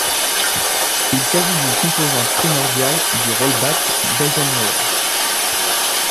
Il s'agit d'une composante primordiale du roll back d'Eisenhower.